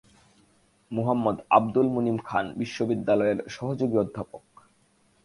মুহাম্মদ আবদুল মুনিম খান বিশ্ববিদ্যালয়ের সহযোগী অধ্যাপক।